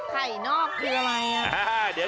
ไข่นอกคืออะไร